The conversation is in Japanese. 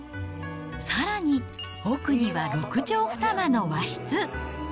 さらに、奥に６畳２間の和室。